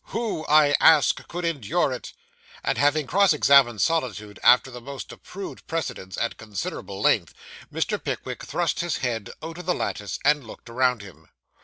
Who, I ask, could endure it?' and, having cross examined solitude after the most approved precedents, at considerable length, Mr. Pickwick thrust his head out of the lattice and looked around him.